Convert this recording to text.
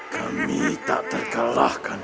kami tak terkelahkan